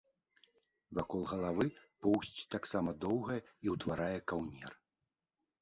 Вакол галавы поўсць таксама доўгая і ўтварае каўнер.